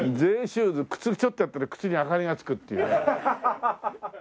靴ちょっとやったら靴に明かりがつくっていう。